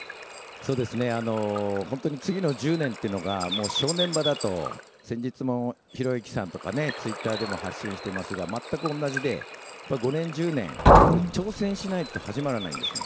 本当に次の１０年というのが正念場だと、先日もひろゆきさんとか、ツイッターでも発信してますが、全く同じで、５年、１０年、挑戦しないと始まらないんですね。